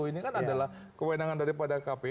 ini kan adalah kewenangan daripada kpu